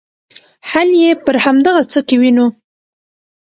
حل یې پر همدغه څه کې وینو.